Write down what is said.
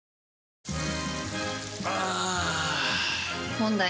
問題。